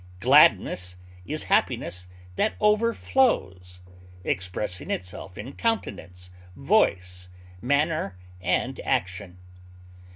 Gladness is happiness that overflows, expressing itself in countenance, voice, manner, and action.